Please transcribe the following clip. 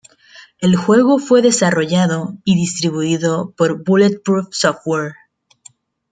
El juego fue desarrollado y distribuido por Bullet-Proof Software.